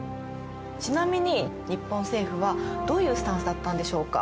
ちなみに日本政府はどういうスタンスだったんでしょうか。